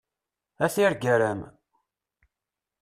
A tirgara-m!